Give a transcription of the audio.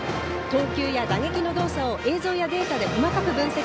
投球や打撃の動作を映像やデータで細かく分析。